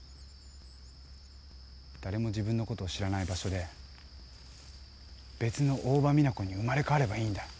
誰も自分のことを知らない場所で別の大庭実那子に生まれ変わればいいんだ。